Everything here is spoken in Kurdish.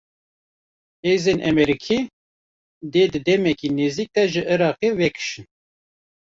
Hêzên Emerîkî, dê di demeke nêzik de ji Iraqê vekişin